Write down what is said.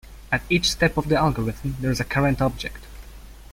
At each step of the algorithm there is a current object.